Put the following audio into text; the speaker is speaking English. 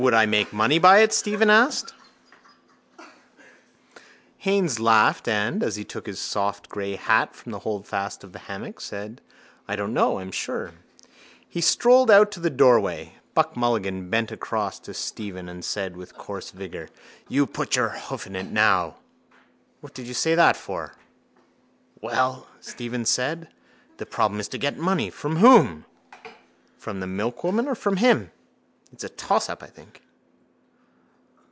—Would I make any money by it? Stephen asked. Haines laughed and, as he took his soft grey hat from the holdfast of the hammock, said: —I don't know, I'm sure. He strolled out to the doorway. Buck Mulligan bent across to Stephen and said with coarse vigour: —You put your hoof in it now. What did you say that for? —Well? Stephen said. The problem is to get money. From whom? From the milkwoman or from him. It's a toss up, I think.